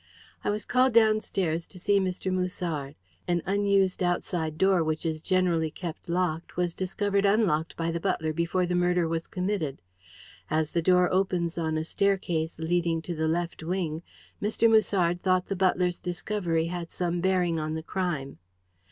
"I was called downstairs to see Mr. Musard. An unused outside door which is generally kept locked was discovered unlocked by the butler before the murder was committed. As the door opens on a staircase leading to the left wing, Mr. Musard thought the butler's discovery had some bearing on the crime."